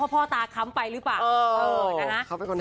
พ่อตาค้ำไปหรือเปล่าขอบคุณค่ะ